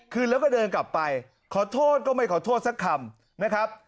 คืนแล้วก็เดินกลับไปขอโทษก็ไม่ขอโทษสักคำนะครับ